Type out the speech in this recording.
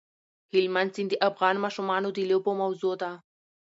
هلمند سیند د افغان ماشومانو د لوبو موضوع ده.